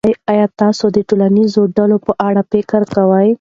آیا تاسو د ټولنیزو ډلو په اړه فکر کوئ.